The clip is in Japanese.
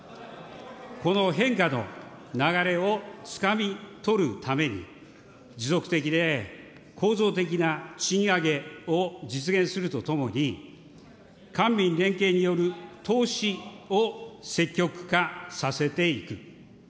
この変化の流れをつかみ取るために、持続的で構造的な賃上げを実現するとともに、官民連携による投資を積極化させていく。